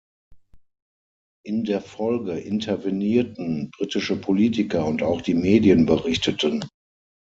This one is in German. In der Folge intervenierten britische Politiker und auch die Medien berichteten.